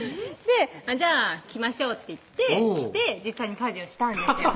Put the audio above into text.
「じゃあ着ましょう」って言って着て実際に家事をしたんですよ